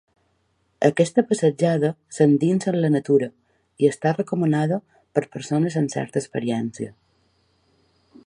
Aquesta passejada s'endinsa en la natura i està recomanada per a persones amb certa experiència.